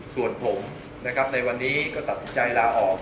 ส่วนผมในวันนี้ก็ตัดสินใจลาออก